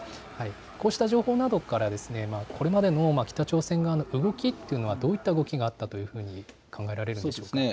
こうした情報などからこれまでの北朝鮮側の動きというのは、どういった動きがあったと考えられるんでしょうか。